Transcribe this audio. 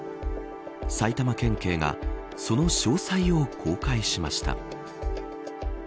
埼玉県警がその詳細を公開しました。